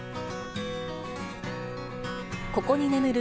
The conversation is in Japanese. ここに眠る